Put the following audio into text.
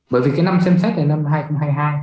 bởi vì cái năm xem xét này năm hai nghìn hai mươi hai